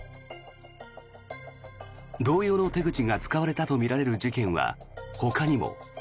同様の手口が使われたとみられる事件はほかにも。